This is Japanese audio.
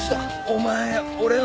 お前俺の餅。